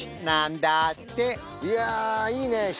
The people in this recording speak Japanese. なんだっていやいいね